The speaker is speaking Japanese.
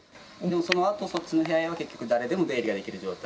そのあと、そっちの部屋には、結局、誰でも出入りができる状態。